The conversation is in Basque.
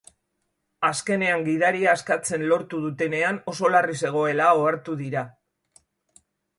Azkenean, gidaria askatzen lortu dutenean, oso larri zegoela ohartu dira.